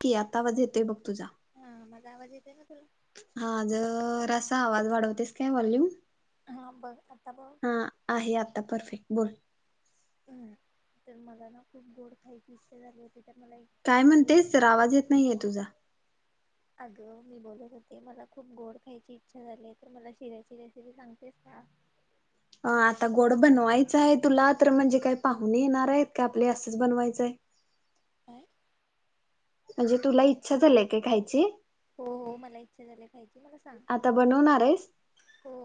की आता आवाज येताय बघ तुझा. हा माझा आवाज येते ना तुला. हा ज असा आवाज वाढवतेस काय वॉल्यूम. हा बघ आता बघ हा आहे आता परफेक्ट. बरं हम्म तर मला ना खूप गोड खायची इच्छा झाली होती. तर मला एक काय गोड- म्हणतेच तर आवाज येत नाहीये तुझा अगं मी बोलत होते मला खूप गोड खायची इच्छा झाली तर मला शिऱ्याची रेसिपी सांगतेस का? अ आता गोड बनवायचं आहे तुला तर म्हणजे काय पाहून येणार आहेत का आपले असंच बनवायचं आहे? काय म्हणजे तुला इच्छा झालीय का खायची हो हो मला इच्छा झाली पाहिजे. आता बनवणार आहेस हो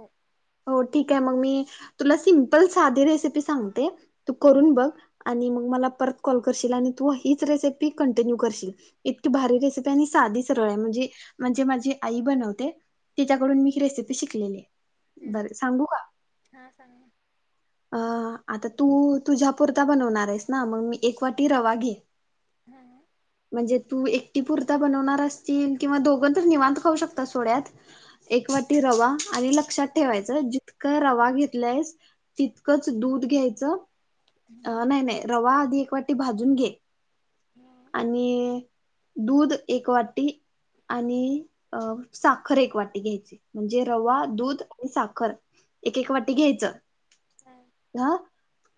हो ठीक आहे मग मी. तुला सिमपल साधी रेसिपी सांगते तू करून बघ आणि मग मला परत कॉल करशील आणि तू हीच रेसिपी कंटिन्यू करशील इतकी भारी रेसिपी आणि साधी सरळ आहे म्हणजे म्हणजे माझी आई बनवते. तिच्याकडून मी रेसिपी शिकलेली हम्म बर सांगू का हा सांगा. अ आता तू तुझ्या पुुरता बनवणार आहेस ना? मग मी एक वाटी रवा घे हां म्हणजे तू एक एकटी पुरता बनवणार असचील किंवा दोघ तर निवांत खाऊ शकतात सोड यात एक वाटी रवा. आणि लक्षात ठेवायचं ज- जितक रवा घेतलायस. तितकंच दूध घ्यायचं. अ हां नाही नाही रवा आधी- एक वाटी भाजून घे. हां आणि दूध एक वाटी आणि आणि साखर एक वाटी घ्यायची. म्हणजे हां रवा दूध आणि साखर. एक एक हां वाटी घ्यायचं. हां हा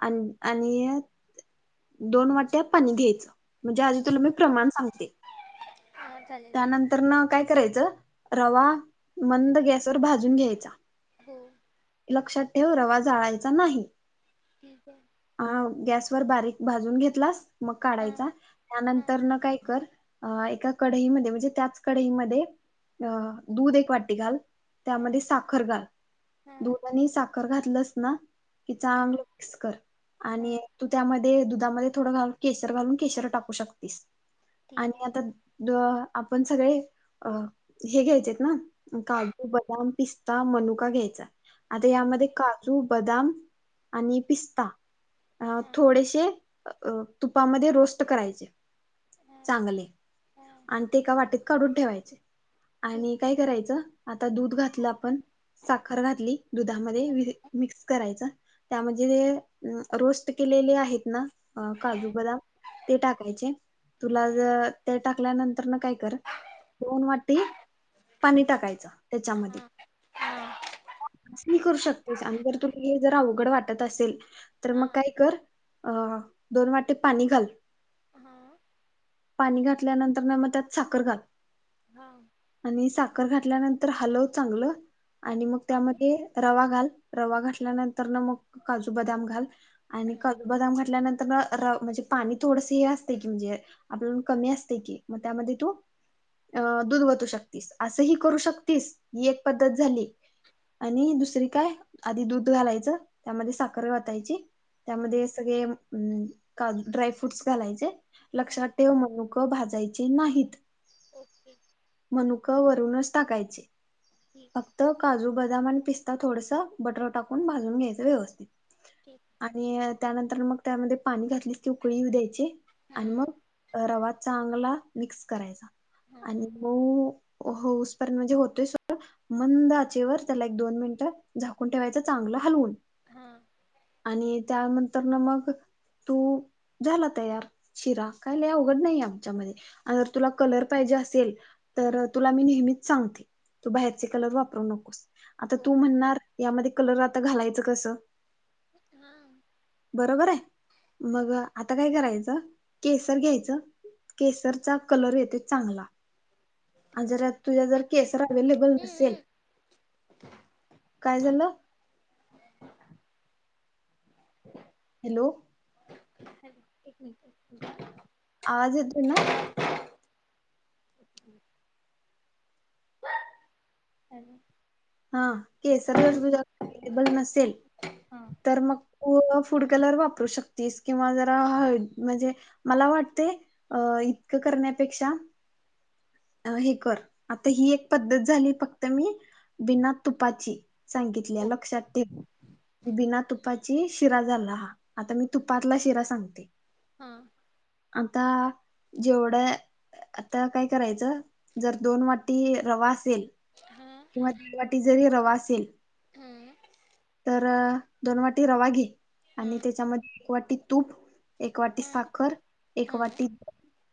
आणि आणि दोन वाट्या पाणी घ्यायचं. म्हणजे आधी तुला ठीक मी आहे प्रमाण सांगते. हां चालेल त्यानंतर न काय करायचं रवा मंद गॅसवर भाजून घ्यायचा हो लक्षात रवा जाळायचा नाही. ठीक आहे हा गॅसवर बारीक भाजून घेतलास मग काढायचा हां हां त्यानंतर न काय कर अ एका कढईमध्ये म्हणजे त्याच कडईमध्ये अ दूध एक वाटी घाल, हां त्यामध्ये साखर घाल हां दुध आणि साखर घातलंस ना की चांगलं हां मिक्स कर आणि हां तू त्यामध्ये दुधामध्ये थोडं घा केसर घालून केसर टाकू शकतेस. ठीक आणि आहे आता आपण सगळे अ हे घ्यायचे आहेत ना काजू बदाम पिस्ता मनुका घ्यायचा आता हां यामध्ये काजू बदाम आणि पिस्ता. अ हां थोडेशे अ तुपामध्ये रोस्ट करायचे. चांगले [unintelligible] आणि ते एका वाटीत काढून ठेवायचे ओके आणि काय करायचं आता दूध घातलं आपण साखर घातली दुधामध्ये विर मिक्स करायच त्यामध्ये ज रोस्ट केलेले आहेत ना काजू बदाम ते टाकायचे तुला ज त्यात टाकल्यानंतर न काय कर दोन वाटी पाणी टाकायचं त्याच्यामध्ये करू शकते आणि जर तुला हे जर अवघड वाटत असेल तर मग काय कर अ दोन वाटी पाणी घाल हा. पाणी घात ल्या नंतर म त्यात साखर घाल. आणि साख खर घातल्यानंतर हलव चांगलं आणि मग त्यामध्ये रवा घाल रवा घातल्यानंतर न मग काजू बदाम घाल आणि काजू बदाम घातल्यानंतर र म्हणजे पाणी थोडस हे असते की म्हणजे आपल्याला कमी अस तय की म त्यामध्ये तू अ दूध वतू शकतीस असं ह करू शकतीस ही एक पद्धत झाली आणि दुसरी काय आधी दूध घालायचं त्यामध्ये साखर वतायची. त्यामध्ये सगळे अमं काजू ड्राय फ्रूट्स घालायचे. लक्षात ठेव मनू क भाजायचे नाहीत. मनुक वर तुनच टाकायचे. ठीक फक्त आहे काजू बदाम आणि पिस् आता थोडस बटर टाकून भाजून घ्यायचं व्यवस्थित ठीक आणि त्यानंतर मग त्यामध्ये पाणी घातलीस की उकळी येऊ द्यायची हां आणि मग रवा चांगला मिक्स करायचा. हां आणि मऊ होऊसपर्यंत म्हणजे होतोय सोड मंद आचेवर त्याला एक दोन मिनिटं झाकून ठेवायचं चांगलं हलवून हां आणि त्यानंतर ना मग तू झाला तयार शिरा काय लय अवघड नाहीये. त्याच्यामध्ये आता तुला कलर पाहिजे असेल तर तुला मी नेहमी सांगते तू बाहेरचे कलर वापरू नकोस आता हो तू म्हणणार यामध्ये कलर आता घालायचं कसं हां बरोबर आहे. हां मग आता काय करायचं केसर घ्यायचं केसरचा कलर येतोय चांगला आणि जर तुझ्या जर केस रं अवेलेबल नसेल काय झालं. हॅलो हॅलो एक मिनट आवाज येतोय ना? हॅलो हा केसर जर तुझ्या अवेलेबल नसेल हां तर मग कु फूड कलर वापरू शकतीस किंवा जरा ह म्हणजे मला वाटतयं इतकं करण्यापेक्षा अ हे कर आता ही एक पद्धत झाली फक्त मी बिना तुपाची सांगितल्या ओ लक्षात ठेव बिना तुपा शिरा झाला हा आता मी तुपातला शिरा सांगते. हा. आता जेवढं आता काय करायचं जर दोन वाटी रवा असेल हां किंवा दीड वाटी जरी रवा असेल हां तर दोन वाटी रवा घे आणि हां त्याच्यामध्ये एक वाटी तूप एक वाटी हां साखर एक हां वाटी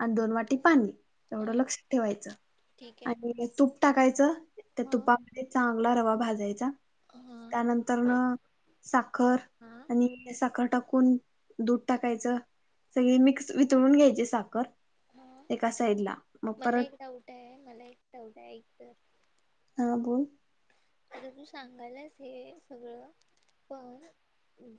आणि दोन वाटी पाणी एवढं हां लक्षात ठेवायचं. ठीक आहे आणि तूप टाकायचं. च. तर हां तुपामध्ये चांग गला रवा भाजायचा हां त्यानंतर न साखर हां आणि साखर टाकून दूध टाकायचं सगळी मिक्स वितळून घ्यायची साखर हां एका साइडला. मग मला परत एक डाउट आहे मला एक डाऊट आहे ऐक तर. हा बोल. आता तू सांगायलास हे सगळं पण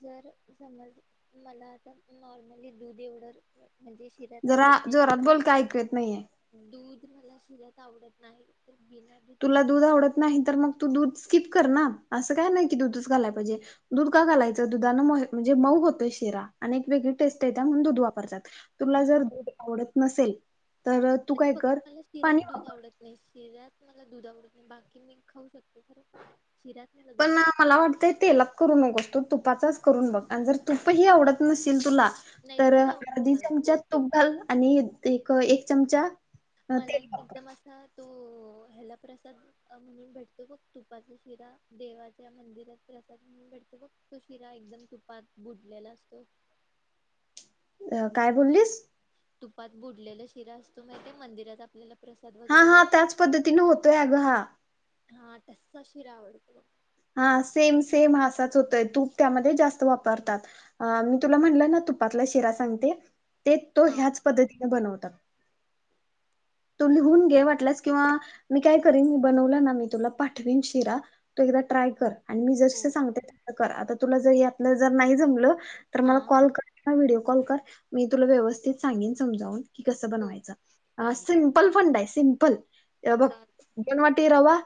जर समज मला आता नॉर्मली दूध एवढं म्हणजे शिऱ्यात जरा आवडत नाही दूध जोरात बोल का ऐकु येत नाहीये. दूध मला शिऱ्यात आवडत नाही. तर बिना तुला दुधाचं दूध काय आवडत नाही तर मग तू दूध स्किप कर ना असं काय नाही की दुधचं घालाय पाहिजे दूध का घालायचं दुधानने म म्हणजे मऊ होतं शिरा आणि एक वेगळी टेस्ट आहे त्या म्हणून दूध वापरत्यात. तुला जर दूध आवडत नसेल तर तू म्हणजे काय कर फक्त मला पाणी शिऱ्यात दूध वापर आवडत नाही शिऱ्यात मला दुध आवडत नाही बाकी मी खाऊ शकते खरं. शिऱ्यात मला पण दूध ना आवडत मला वाटतंय तेलात करू नकोस तू तुपाचाच करून बघ आणि जर तुपही आवडत नशील तुला नाही तर तूप आवडते अधी मला चमचा खूप तूप आवडत घाल आणि एक एक चमचा मला न तेल वापर एकदम असा तो ह्याला प्रसाद अ म्हणून भेटतो बघ तुपाचा शिरा देवाच्या मंदिरात प्रसाद म्हणून भेटतो बघ तो शिरा एकदम तुपात बुडलेला असतो. अ काय बोललीस? तुपात बुडलेला शिरा असतो माहितीये मंदिरात आपल्याला प्रसाद हा वगैरे हा भेट त्याच पद्धतीने होतोय आग हा. हा तस्सा शिरा आवडतो. हा सेम सेम असाच होतोय तूप त्यामध्ये जास्त वापरतात अमं मी तुला म्हटलं ना तुपातला शिरा सांगते. ते तो हा ह्याच पद्धती. बनवतात. तू लिहून घे वाटल्यास किंवा मी काय करन मी बनवला ना मी तुला पाठवेन शिरा तू एकदा ट्राय कर. मी जस हो जस सांगते तस कर आता. तुला जर हे आपलं जर नाही जमलं. तर हा मला कॉल कर व्हिडिओ. कॉल कर मी तुला व्यवस्थित सांगेन समजावून. कि कसं हो बनवायचं आ स चालेल फंडाय सिमपल ये बग चालेल दोन वाटी रवा,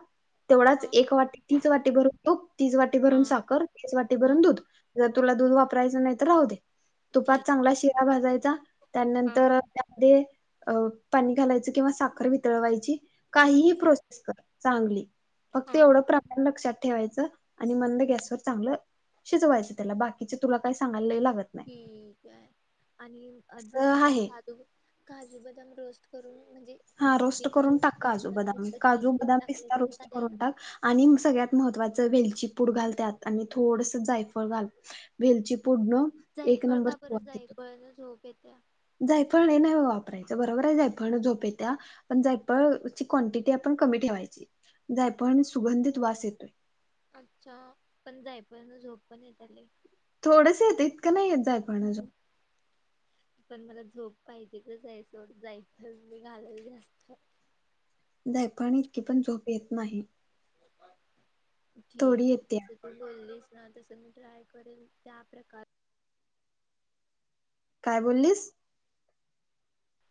तेवढाच हा एक वाटी तीच वाटी भरून दूद तीच वाटी भरून हा साखर तीच वाटी हा भरून दूध जर तुला दूध वापरायचं नाही तर राहु दे. तुपात ठीक चांगला शिरा भाजाय चा हा त्यानंतर त्या अ पाणी घालायचं किंवा साखर वितळवायची. ठीक काहीही आहे प्रोसेस कर. चांगली फक्त हा एवढं प्रमाण लक्षात ठेवायचं आणि मंद गॅसवर चांगलं शिजवायचं त्याला, बाकीचे तुला काय सांगायला लय ला ठीक आहे आणि जर असं आहे काजू काजू बदाम रोस्ट करून. म्हणजे हा रोस्ट बिना करून टाक काजू करता बदाम, नुसतं काजू, खिसून बदाम, टाकले पिस्ता तरी रोस्ट चालेल ना करून टाक आणि सगळ्यात महत्त्वा च वेलचीपूड घाल त्यात आणि थोडस जायफळ घाल, वेलची पूडनं एक जायफळ नंबर का बरं? सुवास येतो जायफळ न झोप येत्या. जायफळ लय नाही वापरायच बरोबर आहे जायफळन झोप येत्या, पण जायफळची क्वांटिटी आपण कमी ठेवायची जायफळन सुगंधित वास येतोय. अच्छा, पण जायफळन झोप पण येत्या लई. थोडंस येत इतकं नाही येत जायफळन लई झोप. पण मला झोप पाहिजे तर आहेच सोड जायफल घालेल जास्त जायफळने इतकी पण झोप येत नाही. थोडी ठीक तस येत्या पण बोललीस तस मी ट्राय करेल त्या प्रकार काय बोल्लीस?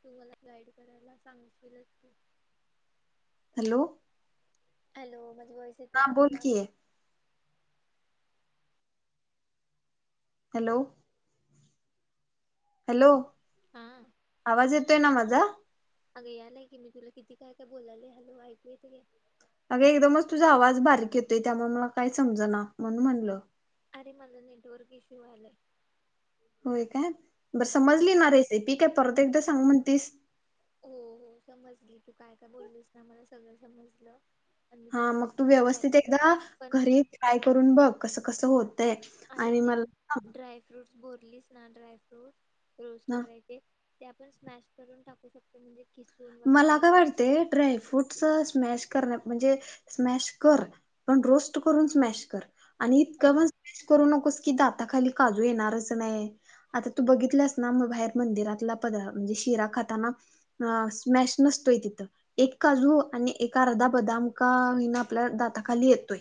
तू मला गाईड करायला सांगशीलच की. हॅलो. हॅलो. वाईस येते हा ना बोल तुला की हॅलो हॅलो हा आवाज ये ते ना माझा. अगं यालाय की मी तुला किती काय काय बोलालोय, हॅलो ऐकू येतंय काय? अगं एकदमच तुझा आवाज बारीक येतोय त्यामुळे मला काय समजना म्हणुन म्हणलं. अरे मला नेटवर्क इश्यु व्हालंय. होय काय बर समजली ना रेसि पी काय परत एकदा सांगु म्हणतीस. हो हो समजली तू काय काय बोललीस ना मला सगळं समजलं. आणि मी हा मग तू त्याच्या व्यवस्थित ट्रॅक एकदा पण घरी ट्राय करून बघ कस कसं होत ते आणि मला सांग बोललीस ना ड्राय फ्रूट रोस्ट ना करायचे ते आपण स्मॅश करून टाकू शकतो म्हणजे किसून मला वगैरे काय किंवा वाटते ड्रायफ्रूट स्मॅश स्मॅश कर म्हणजे रोस्ट करून स्मॅश कर आणि इतक पण हा स्मॅश करू नकोस की दाता खाली काजू येणारच नाही आता तू बघितलंस ना म बाहेर मंदिरातला म्हणजे शिरा खाताना मॅश नसतोय तिथं एक काजू आणि एका अर्धा बदाम का होईना आपल्या दाताखाली येतोय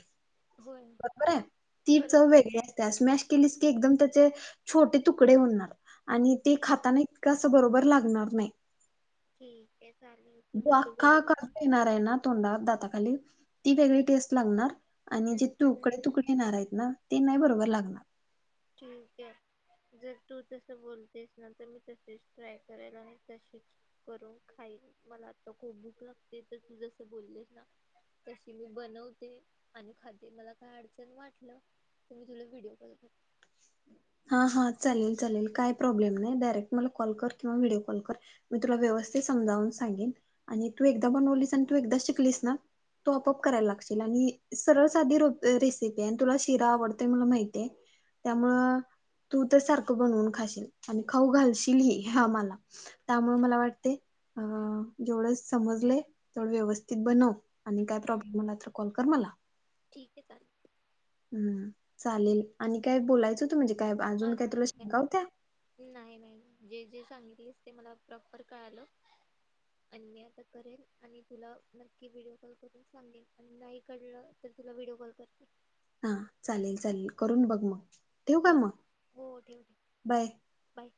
होय बरोबर आहे ती बरोबर चव वेगळी असते स्मॅश की एकदम त्याचे छोटे तुकडे होणार आणि ते खाताना इतकं बरोबर लागणार नाही [inaudible] चालेल तू जो जसं अखा बोल काजू येणार आहे ना तोंडात दाता खाली ती वेगळी टेस्ट लागणार आणि जे तुकडे ठीक तुकडे येणार आहेत ना ते नाही बरोबर लागणार जर तू तस बोलतेस ना तर मी तच ट्राय करेल आणि तच करून खाईन मला आता खूप भूक लागते तर तू जस बोललीस ना तशी मी बनवते आणि खाते मला काय अडचण वाटलं तर मी तुला व्हडिओ कॉल करते हा हा चालेल चालेल काय प्रॉब्लेम नाही डायरेक्ट मला कॉल कर किंवा व्हिडिओ कॉल कर मी तुला व्यवस्थित समजावून सांगेन आणि तू एकदा बनवलीस आणि तू एकदा शिकलीस ना तू आपोआप करायला लागशील आणि सरळ साधी रेसिपी आहे आणि तुला शिरा आवडते मला माहितीय त्यामुळ तू तर सारखं बनवून खाशील आणि खाऊ घालशील हि आम्हाला त्यामुळे करते मला वाटते अ जेवढे समजलय थोड व्यवस्थित बनव आणि काय हा प्रॉब्लेम आला तर कॉल कर मला ठीक आहे चालेल हम्म चालेल आणि काय बोलायचं होतं म्हणजे काय अ अजून काय तुला शंका होत्या नाही नाही जे जे सांगितल म प्रॉपर करेल आणि तुला नक्की व्हिडिओ कॉल करून सांगेल आणि नाही कळलं तर तुला व्हिडिओ कॉल करते हा चालेल चालेल करून बघ मग ठेवू का ठीक मग हो ठेव बाय. बाय